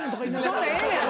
そんなんええねん！